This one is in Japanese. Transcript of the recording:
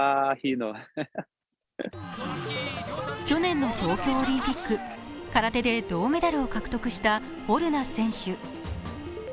去年の東京オリンピック空手で銅メダルを獲得したホルナ選手。